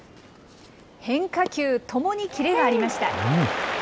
変化球ともにキレがありました。